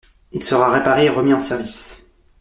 Il sera réparé et remis en service.